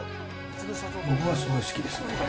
僕はすごい好きですね。